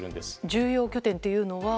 重要拠点というのは？